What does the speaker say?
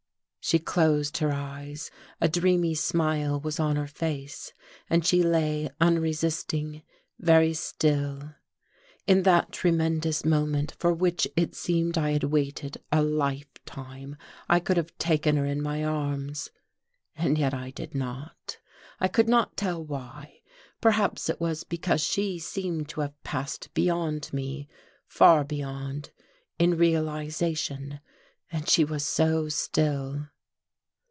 She closed her eyes. A dreamy smile was on her face, and she lay unresisting, very still. In that tremendous moment, for which it seemed I had waited a lifetime, I could have taken her in my arms and yet I did not. I could not tell why: perhaps it was because she seemed to have passed beyond me far beyond in realization. And she was so still!